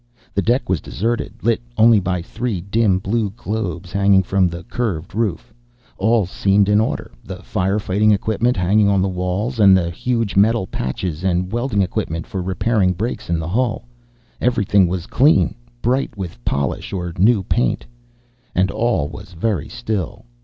The deck was deserted, lit only by three dim blue globes, hanging from the curved roof. All seemed in order the fire fighting equipment hanging on the walls, and the huge metal patches and welding equipment for repairing breaks in the hull. Everything was clean, bright with polish or new paint. And all was very still.